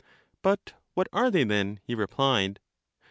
But what are they, then? he replied.